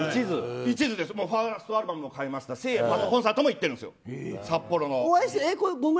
ファーストアルバムも買いましたしコンサートにも行ってるんですよ、札幌の。